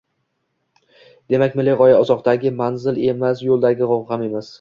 Demak milliy g‘oya uzoqdagi manzil emas, yo‘ldagi g‘ov ham emas